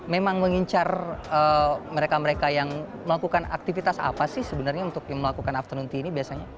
memang mengincar mereka mereka yang melakukan aktivitas apa sih sebenarnya untuk melakukan afternoon tea ini biasanya